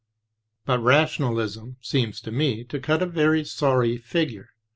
But Rationalism seems to me to cut a very sorry figure.